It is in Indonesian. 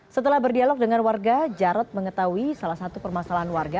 setelah berdialog dengan warga jarod mengetahui salah satu permasalahan warga